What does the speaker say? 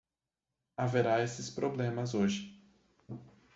Haverá esses problemas hoje.